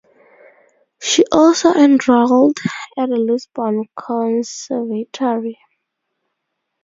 She also enrolled at the Lisbon Conservatory.